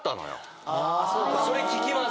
それ聞きます。